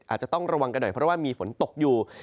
อาจจะต้องระวังกันหน่อยเพราะว่ามีฝนตกอยู่